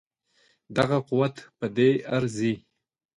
دغه قوت په دې ارزي.